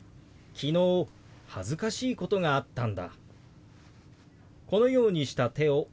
昨日恥ずかしいことがあったんだ。